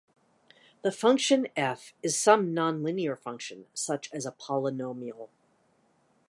The function "F" is some nonlinear function, such as a polynomial.